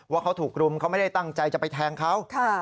ว่าเขาถูกรุมเขาไม่ได้ตั้งใจจะไปแทงเขา